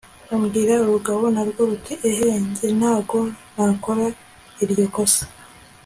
ambwira! urugabo narwo ruti eheeee! njye ntago nakora iryo kosa